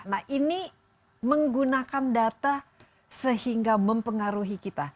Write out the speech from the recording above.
nah ini menggunakan data sehingga mempengaruhi kita